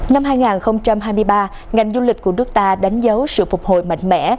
năm hai nghìn hai mươi ba ngành du lịch của nước ta đánh dấu sự phục hồi mạnh mẽ